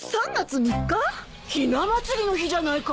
ひな祭りの日じゃないか。